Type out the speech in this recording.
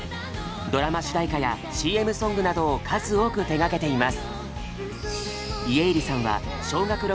ドラマ主題歌やＣＭソングなどを数多く手がけています。